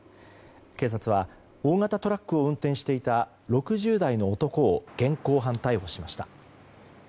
警察は大型トラックを運転していた６０代の男を現行犯逮捕しました。